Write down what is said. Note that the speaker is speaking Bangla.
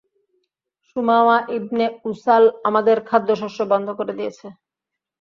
সুমামা ইবনে উসাল আমাদের খাদ্যশস্য বন্ধ করে দিয়েছে।